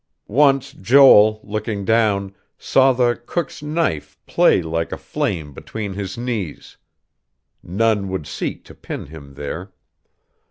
Once Joel, looking down, saw the cook's knife play like a flame between his knees.... None would seek to pin him there.